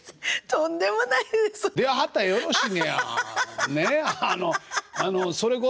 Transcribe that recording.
とんでもないって。